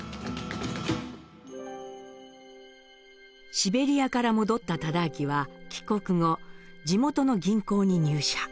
シベリアから戻った忠亮は帰国後地元の銀行に入社。